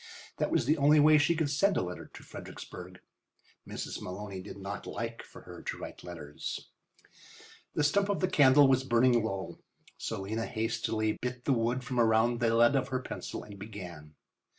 That was the only way she could send a letter to Fredericksburg. Mrs. Maloney did not like for her to write letters. The stump of the candle was burning low, so Lena hastily bit the wood from around the lead of her pencil and began.